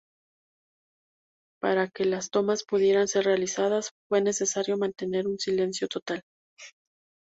Para que las tomas pudieran ser realizadas, fue necesario mantener un silencio total.